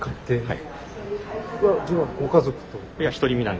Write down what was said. はい。